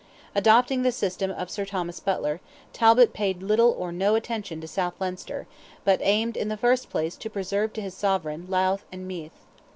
Adopting the system of Sir Thomas Butler, Talbot paid little or no attention to South Leinster, but aimed in the first place to preserve to his sovereign, Louth and Meath.